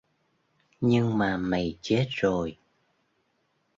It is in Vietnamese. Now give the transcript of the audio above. Nhưng mà mày chết rồi